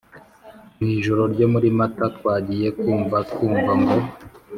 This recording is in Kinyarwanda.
mwijoro ryo muri mata twagiye kumva twumva ngo